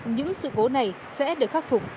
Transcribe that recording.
những sự cố này sẽ được khắc thu